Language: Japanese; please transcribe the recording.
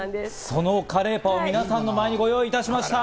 そのカレーパンを皆様の前にご用意いたしました。